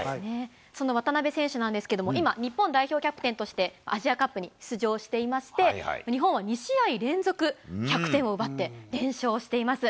その渡邊選手なんですけれども、今、日本代表キャプテンとして、アジアカップに出場していまして、日本は２試合連続、１００点を奪って連勝しています。